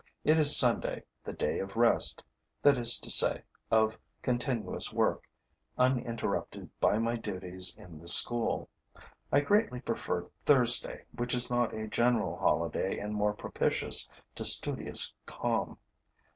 It is Sunday, the day of rest, that is to say, of continuous work, uninterrupted by my duties in the school. I greatly prefer Thursday, which is not a general holiday and more propitious to studious calm.